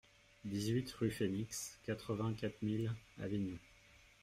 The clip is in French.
dix-huit rue du Phénix, quatre-vingt-quatre mille Avignon